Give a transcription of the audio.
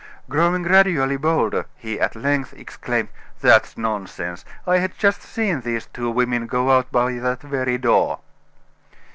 Growing gradually bolder, he at length exclaimed: "That's nonsense, I had just seen these two women go out by that very door."